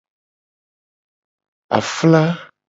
Afla.